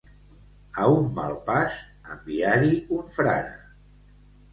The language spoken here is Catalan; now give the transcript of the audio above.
A un mal pas, enviar-hi un frare.